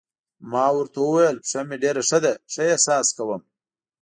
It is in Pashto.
ما ورته وویل: پښه مې ډېره ښه ده، ښه احساس کوم.